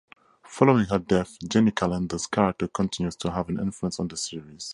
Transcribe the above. Following her death, Jenny Calendar's character continues to have an influence on the series.